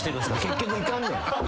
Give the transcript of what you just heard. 結局いかんねん。